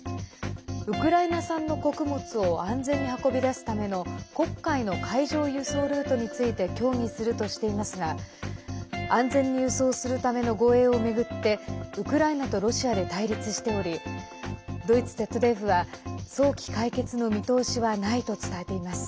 ウクライナ産の穀物を安全に運び出すための黒海の海上輸送ルートについて協議するとしていますが安全に輸送するための護衛を巡ってウクライナとロシアで対立しておりドイツＺＤＦは早期解決の見通しはないと伝えています。